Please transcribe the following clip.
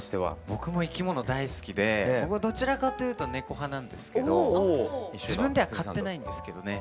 僕も生き物大好きで僕はどちらかというと猫派なんですけど自分では飼ってないんですけどね